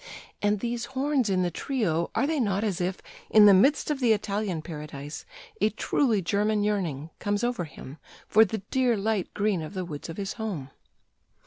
'] "And these horns in the Trio, are they not as if, in the midst of the Italian paradise, a truly German yearning comes over him for the dear light green of the woods of his home?